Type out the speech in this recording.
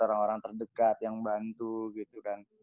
orang orang terdekat yang bantu gitu kan